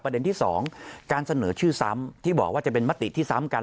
ที่๒การเสนอชื่อซ้ำที่บอกว่าจะเป็นมติที่ซ้ำกัน